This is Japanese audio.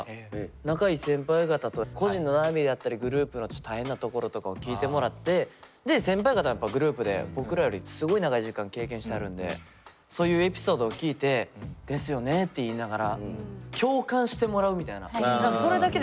仲いい先輩方と個人の悩みであったりグループのちょっと大変なところとかを聞いてもらってで先輩方がやっぱりグループで僕らよりすごい長い時間経験してはるんでそういうエピソードを聞いてですよねって言いながら確かにね。